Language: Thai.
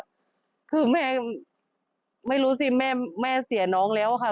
คือแม่ไม่รู้สิแม่เสียน้องแล้วค่ะ